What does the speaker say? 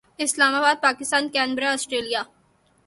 Islamabad Pakistan Canberra Australia